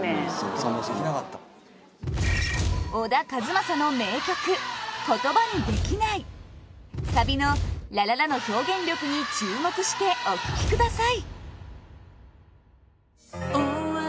そもそも小田和正の名曲「言葉にできない」サビの「ラララ」の表現力に注目してお聴きください